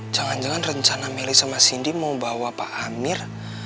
jangan jangan rencana meli sama cindy mau bawa pak amir